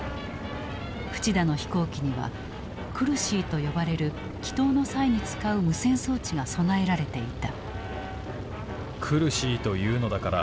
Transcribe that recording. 淵田の飛行機にはクルシーと呼ばれる帰投の際に使う無線装置が備えられていた。